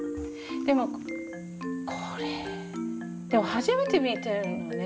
でもこれでも初めて見たよね。